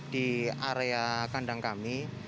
di area kandang kami